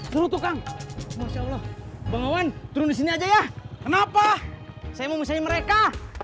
suruh tukang masya allah bangawan turun di sini aja ya kenapa saya mau misalnya mereka